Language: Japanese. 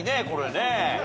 これね。